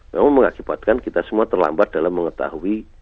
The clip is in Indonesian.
memang mengakibatkan kita semua terlambat dalam mengetahui